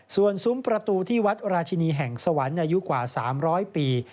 ส่วนซุ้มประตูที่วัดราชินีแห่งสวรรค์อายุกว่า๓๐๐ปี